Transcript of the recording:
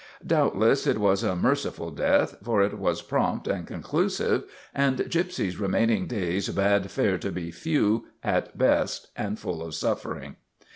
Doubtless it was a merci ful death, for it was prompt and conclusive and Gypsy's remaining days bade fair to be few at best and full of suffering.